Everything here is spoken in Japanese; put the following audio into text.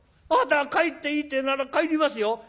「あなたが帰っていいってえなら帰りますよ。